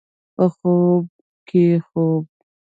په خوب کې خوب